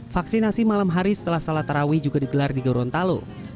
vaksinasi malam hari setelah salat tarawih juga digelar di gorontalo